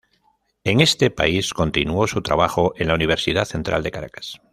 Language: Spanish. En este país continuó su trabajo en la Universidad Central de Caracas.